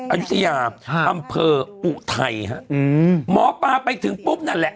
อายุทยาอำเภออุทัยฮะอืมหมอปลาไปถึงปุ๊บนั่นแหละ